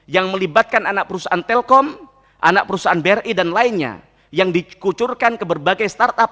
yang melibatkan anak perusahaan telkom anak perusahaan bri dan lainnya yang dikucurkan ke berbagai startup